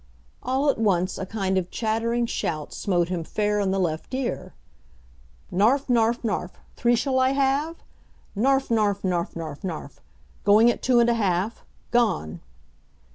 All at once, a kind of chattering shout smote him fair in the left ear: "Narfnarfnarf! Three shall I have? Narfnarfnarfnarfnarf! Going at two and a half! Gone!!"